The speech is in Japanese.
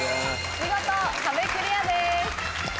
見事壁クリアです。